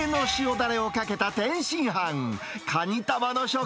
だれをかけた天津飯。